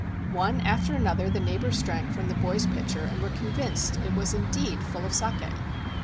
One after another the neighbors drank from the boy's pitcher and were convinced it was indeed full of saki.